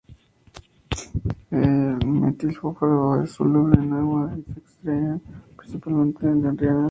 El L-metilfolato es soluble en agua y se excreta principalmente a nivel renal.